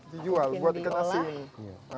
dijual buat ikan asin